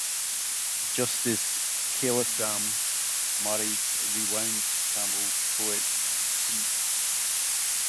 Justice Kailasam married rewound Tamil poet Smt.